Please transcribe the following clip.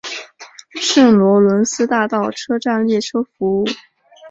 圣罗伦斯大道车站列车服务。